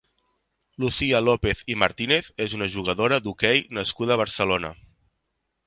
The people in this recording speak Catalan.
Lucía López i Martínez és una jugadora d'hoquei nascuda a Barcelona.